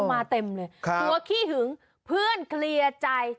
มาเต็มเลยหัวขี้หึงเพื่อนเคลียร์ใจ